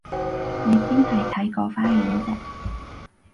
你邊係睇個花園啫？